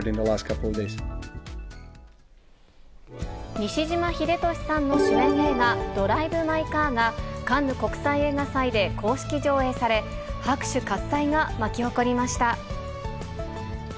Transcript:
西島秀俊さんの主演映画、ドライブ・マイ・カーがカンヌ国際映画祭で公式上映され、拍手喝采が巻き起こりました。